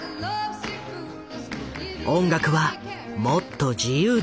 音楽はもっと自由でいい。